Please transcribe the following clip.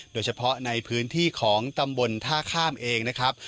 โดยเฉพาะในพื้นที่ของตำบลท่าข้ามเองนะครับ